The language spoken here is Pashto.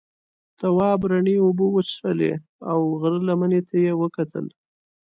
تواب رڼې اوبه وڅښلې او غره لمنې ته یې وکتل.